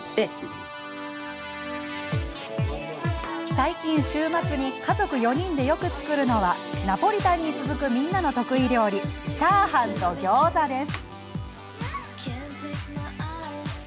最近、週末に家族４人でよく作るのはナポリタンに続くみんなの得意料理チャーハンとギョーザです。